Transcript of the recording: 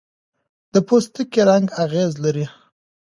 د پوستکي رنګ اغېز لري.